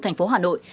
thành phố hà nội